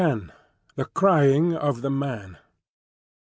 X. THE CRYING OF THE MAN.